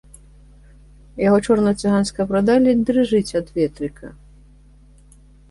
Яго чорная цыганская барада ледзь дрыжыць ад ветрыка.